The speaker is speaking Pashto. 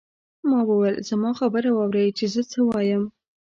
ما وویل زما خبره واورئ چې زه څه وایم.